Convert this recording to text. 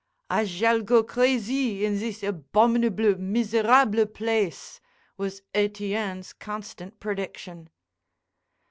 "I shall go crazy in this abominable, mee ser rhable place!" was Etienne's constant prediction.